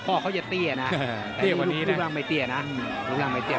พ่อเขาจะเตี้ยนะเตี้ยกว่านี้นะลูกร่างไม่เตี้ยนะลูกร่างไม่เตี้ย